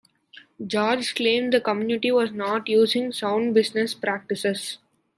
George claimed the community was not using sound business practices.